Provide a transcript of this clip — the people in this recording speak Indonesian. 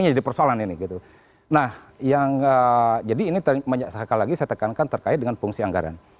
persoalan ini gitu nah yang jadi ini sekali lagi saya tekankan terkait dengan fungsi anggaran